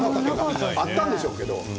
あったんでしょうけれど。